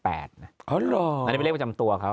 อันนี้เป็นเลขประจำตัวเขา